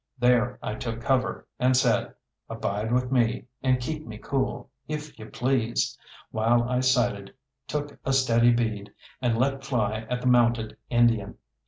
There I took cover, and said, "Abide with me, and keep me cool, if You please!" while I sighted, took a steady bead, and let fly at the mounted Indian.